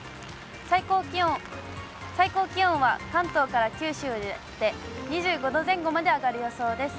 最高気温は、関東から九州で２５度前後まで上がる予想です。